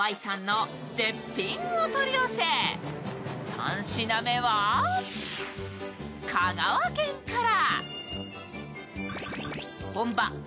３品目は香川県から。